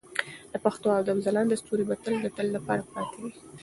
د پښتو ادب ځلانده ستوري به د تل لپاره پاتې وي.